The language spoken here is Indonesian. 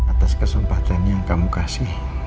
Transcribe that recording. atas kesempatan yang kamu kasih